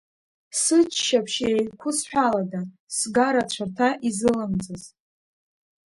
Сыччаԥшь еиқәызҳәалада, сгара-цәарҭа изылымҵыз?